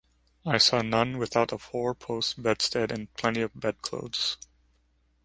I saw none without a four-post bedstead and plenty of bedclothes.